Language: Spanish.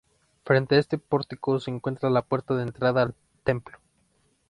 Frente a este pórtico se encuentra la puerta de entrada al templo.